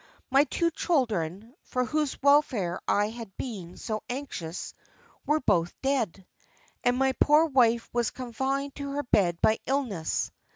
My two children, for whose welfare I had been so anxious, were both dead, and my poor wife was confined to her bed by illness.